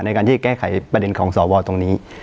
ในการที่จะแก้ไขประเด็นของสวตรงนี้